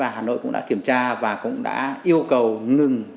hà nội cũng đã kiểm tra và cũng đã yêu cầu ngừng